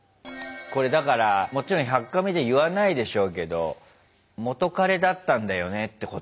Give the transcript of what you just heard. これだからもちろん「１００カメ」で言わないでしょうけど元カレだったんだよねってこともあるだろうな。